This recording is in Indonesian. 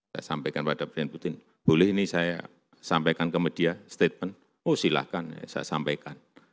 saya sampaikan pada presiden putin boleh ini saya sampaikan ke media statement oh silahkan saya sampaikan